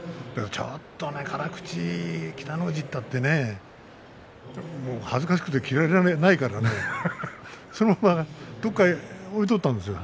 ちょっと辛口北の富士といったってね恥ずかしくて着られないからそのままどこかに置いていたんですよ。